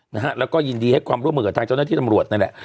นะฮะแล้วก็ยินดีให้ความร่วมมือกับทางเจ้าหน้าที่ตำรวจนั่นแหละ